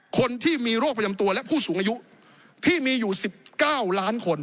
คนที่มีโรคประจำตัวและผู้สูงอายุที่มีอยู่๑๙ล้านคน